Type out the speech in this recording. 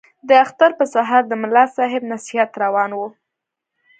د اختر په سهار د ملا صاحب نصیحت روان وو.